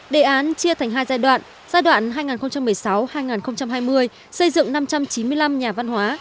đề án chia thành hai giai đoạn